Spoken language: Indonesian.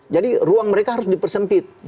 jadi ruang mereka harus dipersempit